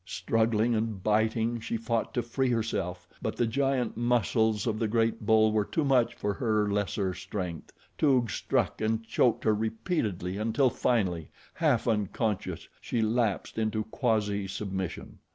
Struggling and biting she fought to free herself; but the giant muscles of the great bull were too much for her lesser strength. Toog struck and choked her repeatedly until finally, half unconscious, she lapsed into quasi submission.